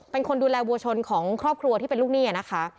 เป็นคนดูแลวัวชนของครอบครัวที่เป็นลูกหนี้นะคะ